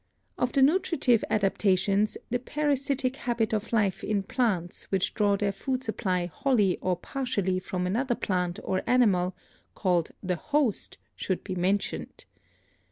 Of the nutritive adap tations the parasitic habit of life in plants which draw their food supply wholly or partially from another plant or animal, called the host, should be mentioned.